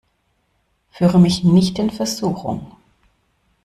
Führe mich nicht in Versuchung!